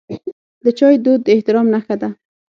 د چای دود د احترام نښه ده.